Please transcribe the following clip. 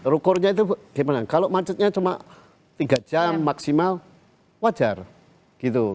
rukornya itu gimana kalau macetnya cuma tiga jam maksimal wajar gitu